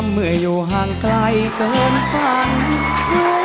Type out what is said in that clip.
พร้อมเบิกตัว